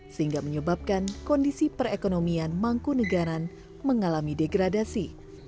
sehingga menyebabkan kondisi perekonomian mangku negara mengalami degradasi